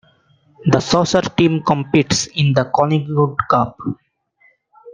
The Soccer team competes in the Collingwood Cup.